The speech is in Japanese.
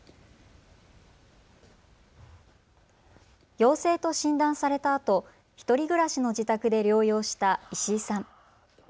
陽性と診断されたあと１人暮らしの自宅で療養した石井さん。